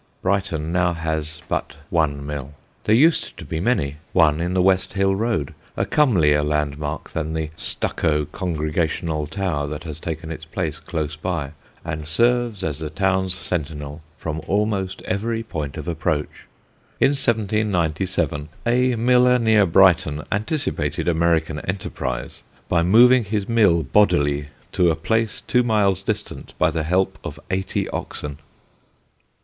Brighton now has but one mill. There used to be many: one in the West Hill road, a comelier landmark than the stucco Congregational tower that has taken its place close by and serves as the town's sentinel from almost every point of approach. In 1797 a miller near Brighton anticipated American enterprise by moving his mill bodily to a place two miles distant by the help of eighty oxen.